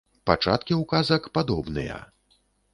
Пачаткі у казак падобныя.